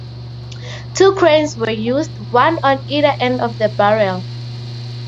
Two cranes were used, one on either end of the barrel.